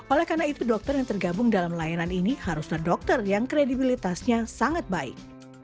oleh karena itu dokter yang tergabung dalam layanan ini harusnya dokter yang kredibilitasnya sangat baik